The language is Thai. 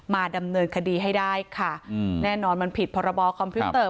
มาดำเนินคดีให้ได้ค่ะอืมแน่นอนมันผิดพรบคอมพิวเตอร์